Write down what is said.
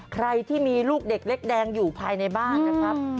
ใครที่มีลูกเด็กเล็กแดงอยู่ภายในบ้านนะครับ